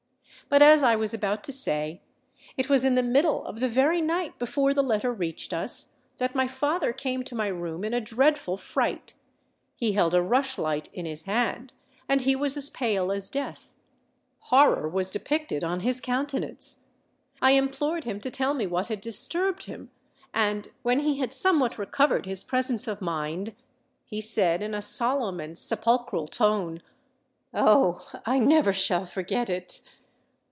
"But as I was about to say, it was in the middle of the very night before the letter reached us, that my father came to my room in a dreadful fright. He held a rushlight in his hand—and he was as pale as death. Horror was depicted on his countenance. I implored him to tell me what had disturbed him; and, when he had somewhat recovered his presence of mind, he said in a solemn and sepulchral tone—oh! I never shall forget it!